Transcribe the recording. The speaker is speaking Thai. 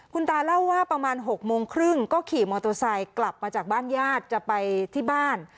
คุณตาเล่าว่าประมาณ๖โมงครึ่งก็ขี่มอเตอร์ไซค์กลับมาจากบ้านญาติจะไปที่บ้าน